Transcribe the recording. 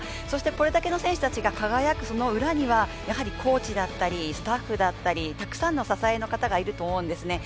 そしてこれだけの選手たちが輝く裏には、コーチだったりスタッフだったりたくさんの支えの方がいると思うんです。